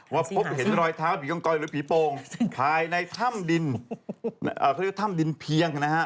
พบเห็นรอยเท้าผีกองกอยหรือผีโป่งภายในถ้ำดินเขาเรียกว่าถ้ำดินเพียงนะฮะ